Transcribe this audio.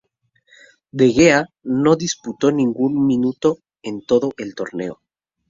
De Gea no disputó ningún minuto en todo el torneo.